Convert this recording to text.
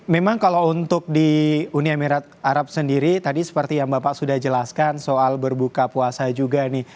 memang kalau untuk di uni emirat arab sendiri tadi seperti yang bapak sudah jelaskan soal berbuka puasa juga nih